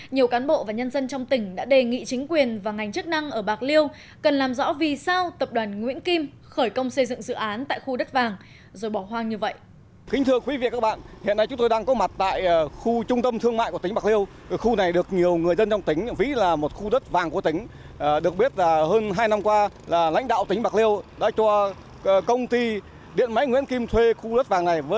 nhiều cán bộ và nhân dân trong tỉnh đã đề nghị chính quyền và ngành chức năng ở bạc liêu cần làm rõ vì sao tập đoàn nguyễn kim khởi công xây dựng dự án tại khu đất vàng rồi bỏ hoang như vậy